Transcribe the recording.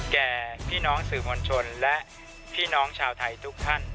แก่พี่น้องสื่อมวลชนและพี่น้องชาวไทยทุกท่าน